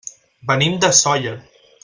Venim de Sóller.